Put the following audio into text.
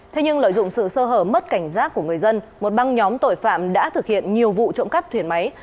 thế nhưng lợi dụng sự sơ hở mất cảnh giác của người dân một băng nhóm tội phạm đã thực hiện nhiều vụ trộm cắp thuyền máy